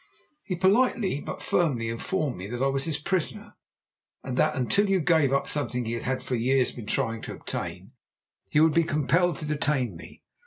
"He politely but firmly informed me that I was his prisoner, and that until you gave up something he had for years been trying to obtain he would be compelled to detain me.